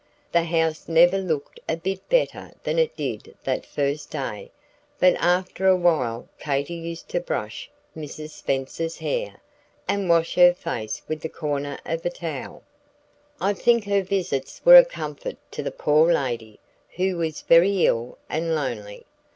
The house never looked a bit better than it did that first day, but after a while Katy used to brush Mrs. Spenser's hair, and wash her face with the corner of a towel. I think her visits were a comfort to the poor lady, who was very ill and lonely.